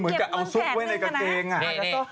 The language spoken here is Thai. มีสิทธิ์